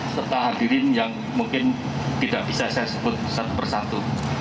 serta hadirin yang mungkin tidak bisa saya sebut satu persatu